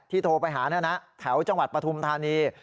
ที่โทรไปหาเนื้อแถวจังหวัดปฐุมธานี